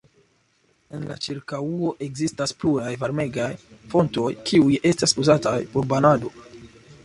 En la ĉirkaŭo ekzistas pluraj varmegaj fontoj, kiuj estas uzataj por banado.